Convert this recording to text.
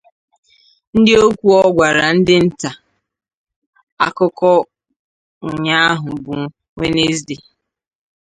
N’okwu ọ gwara ndị nta akụkọ ụnyahụ bụ Nwenezdee